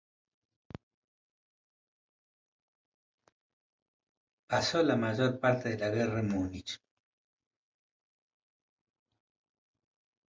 Pasó la mayor parte de la guerra en Múnich.